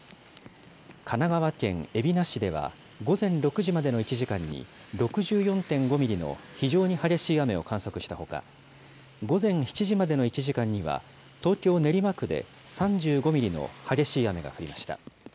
神奈川県海老名市では、午前６時までの１時間に６４．５ミリの非常に激しい雨を観測したほか、午前７時までの１時間には、東京・練馬区で３５ミリの激しい雨が降りました。